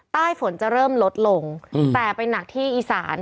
ใต้ฝนจะเริ่มลดลงแต่ไปหนักที่อีสาน